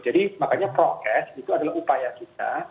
jadi makanya progress itu adalah upaya kita